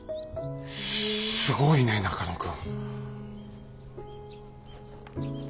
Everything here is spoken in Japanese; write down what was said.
すごいね中野君。